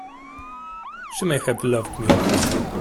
She may have loved me once.